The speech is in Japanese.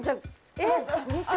えっ？